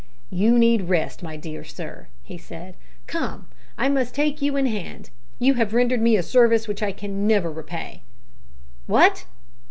"You need rest, my dear sir," he said; "come, I must take you in hand. You have rendered me a service which I can never repay. What?